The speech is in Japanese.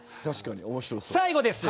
最後です。